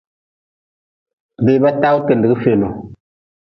Beba tawu tindgi feelu.